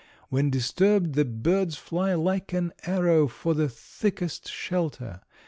"When disturbed, the birds fly like an arrow for the thickest shelter.